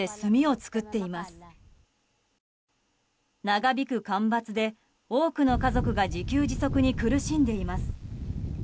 長引く干ばつで多くの家族が自給自足に苦しんでいます。